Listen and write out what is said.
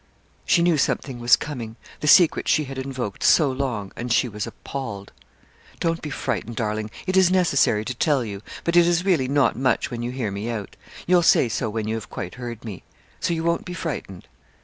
She knew something was coming the secret she had invoked so long and she was appalled. 'Don't be frightened, darling. It is necessary to tell you; but it is really not much when you hear me out. You'll say so when you have quite heard me. So you won't be frightened?'